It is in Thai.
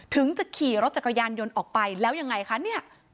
ถึงจะขี่รถจักรยานยนต์ออกไปแล้วยังไงคะเนี่ย